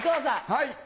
はい。